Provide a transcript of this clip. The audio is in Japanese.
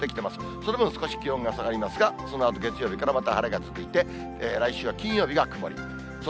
その分少し気温が下がりますが、そのあと、月曜日からまた晴れが続いて、来週は金曜日が曇りと。